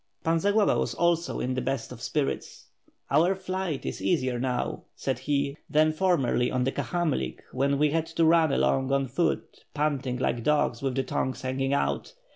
Pan Zagloba was also in the best of spirits. "Our flght is easier now,' said he, "than formerly on the Kahamlik, where we had to run along on foot, panting like dogs, with the tongue hanging out.